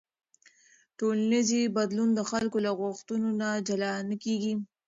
ټولنیز بدلون د خلکو له غوښتنو نه جلا نه کېږي.